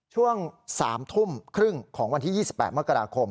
ช่วง๓ทุ่มครึ่งของวันที่๒๘มกราคม